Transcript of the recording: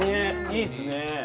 いいっすね